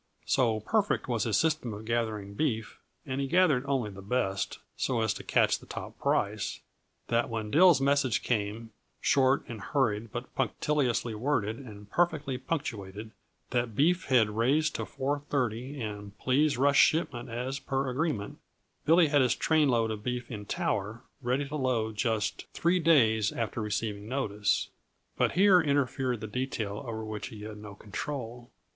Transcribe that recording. So perfect was his system of gathering beef and he gathered only the best, so as to catch the top price that when Dill's message came, short and hurried but punctiliously worded and perfectly punctuated, that beef had raised to four thirty and "Please rush shipment as per agreement," Billy had his trainload of beef in Tower, ready to load just three days after receiving notice. But here interfered the detail over which he had no control.